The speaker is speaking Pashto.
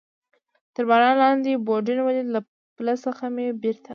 تر باران لاندې یوډین ولید، له پله څخه مې بېرته.